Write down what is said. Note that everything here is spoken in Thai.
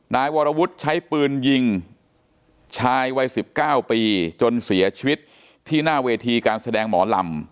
นายวรวุฒิใช้ปืนยิงชายวัย๑๙ปีจนเสียชีวิตที่หน้าเวทีการแสดงหมอลำ